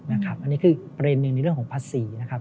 อันนี้คือประเด็นนึงในเรื่องของภาษี